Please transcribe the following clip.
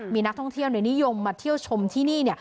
มีนักท่องเที่ยวนิยมมาเที่ยวชมที่นี่